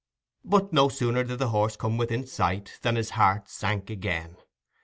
But no sooner did the horse come within sight, than his heart sank again.